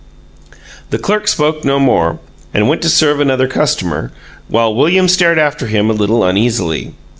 The clerk spoke no more, and went to serve another customer, while William stared after him a little uneasily.